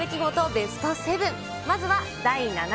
ベスト７。